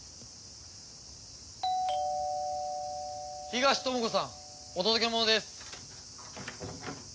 東智子さんお届け物です。